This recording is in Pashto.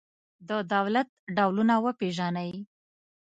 د دولت ډولونه وپېژنئ.